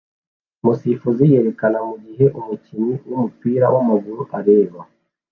Umusifuzi yerekana mugihe umukinnyi wumupira wamaguru areba